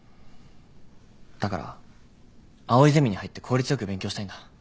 だから藍井ゼミに入って効率良く勉強したいんだ。